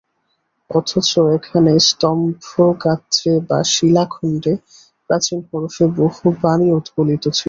অথচ এখানে স্তম্ভগাত্রে বা শিলাখণ্ডে প্রাচীন হরফে বহু বাণী উৎকলিত ছিল।